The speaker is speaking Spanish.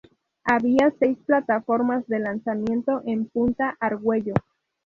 Había seis plataformas de lanzamiento en Punta Argüello.